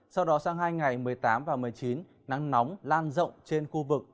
sau đó sang hai ngày một mươi tám và một mươi chín nắng nóng lan rộng trên khu vực